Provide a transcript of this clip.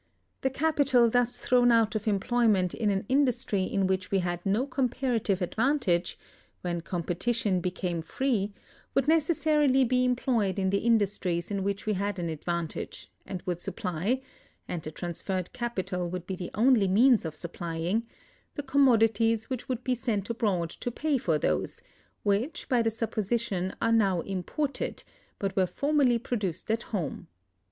The capital thus thrown out of employment in an industry in which we had no comparative advantage (when competition became free) would necessarily be employed in the industries in which we had an advantage, and would supply—and the transferred capital would be the only means of supplying—the commodities which would be sent abroad to pay for those, which by the supposition are now imported, but were formerly produced at home.